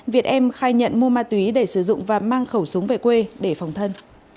việt em khai nhận mua ma túy để sử dụng và mang khẩu súng về quê để phòng thân